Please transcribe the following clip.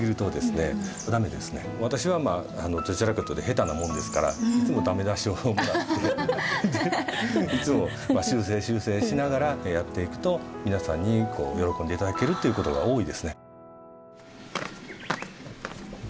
私はどちらかというと下手なものですからいつも修正修正しながらやっていくと皆さんに喜んでいただけるということが多いですね。